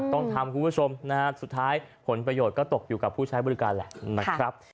ต้องทำคุณผู้ชมนะฮะสุดท้ายผลประโยชน์ก็ตกอยู่กับผู้ใช้บริการแหละนะครับ